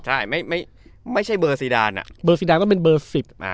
ใช่ไม่ไม่ไม่ใช่เบอร์ซีดานอ่ะเบอร์ซีดานต้องเป็นเบอร์สิบอ่า